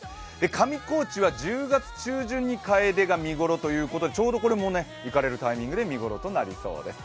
上高地は１０月中旬にかえでが見頃ということで、ちょうどこれも行かれるころに見頃となりそうです。